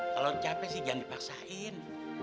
kalau capek sih jangan dipaksain